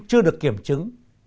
chưa được kiểm chứng